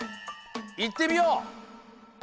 いってみよう！